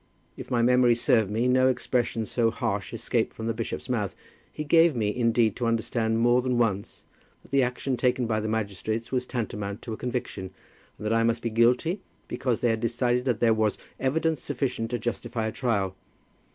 If my memory serve me, no expression so harsh escaped from the bishop's mouth. He gave me, indeed, to understand more than once that the action taken by the magistrates was tantamount to a conviction, and that I must be guilty because they had decided that there was evidence sufficient to justify a trial.